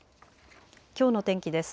きょうの天気です。